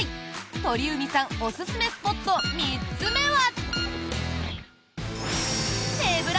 鳥海さんおすすめスポット３つ目は。